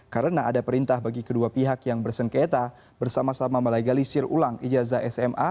karena ada perintah bagi kedua pihak yang bersengketa bersama sama melegalisir ulang ijazah sma